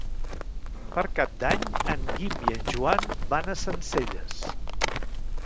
Per Cap d'Any en Guim i en Joan van a Sencelles.